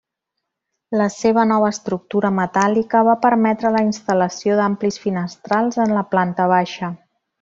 La seva nova estructura metàl·lica va permetre la instal·lació d'amplis finestrals en la planta baixa.